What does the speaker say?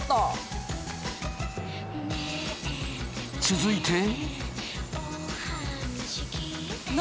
続いて。